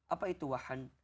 apa itu wahan